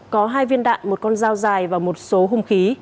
có hai viên đạn một con dao dài và một số hung khí